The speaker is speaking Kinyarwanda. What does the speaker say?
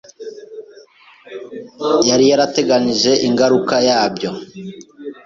Yari yarateganije ingaruka yabyo.